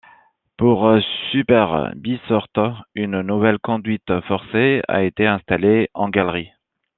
Pour Super-Bissorte, une nouvelle conduite forcée a été installée en galerie.